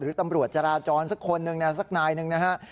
ตำรวจจราจรสักคนหนึ่งสักนายหนึ่งนะฮะ